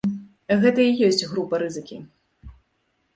Гэта і ёсць група рызыкі.